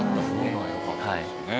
よかったですよね。